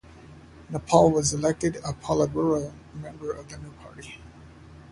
Nepal was elected a politburo member of the new party.